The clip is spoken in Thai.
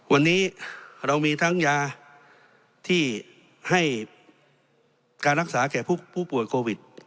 วันนี้เรามีทั้งยาที่ให้การรักษาแก่ผู้ป่วยโควิด